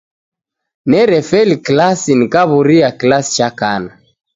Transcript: Nerefeli kilasi nikaw'uria kilasi cha kana.